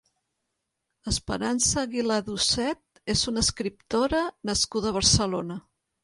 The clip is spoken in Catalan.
Esperanza Aguilà Ducet és una escriptora nascuda a Barcelona.